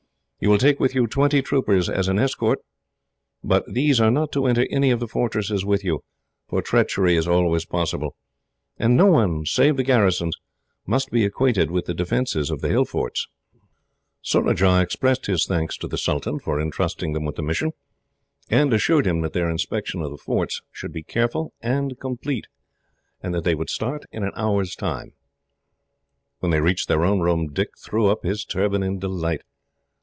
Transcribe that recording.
"You will take with you twenty troopers as an escort, but these are not to enter any of the fortresses with you, for treachery is always possible; and no one, save the garrisons, must be acquainted with the defences of the hill forts." Surajah expressed his thanks to the sultan for entrusting them with the mission, and assured him that their inspection of the forts should be careful and complete, and that they would start in an hour's time. When they reached their own room, Dick threw up his turban in delight.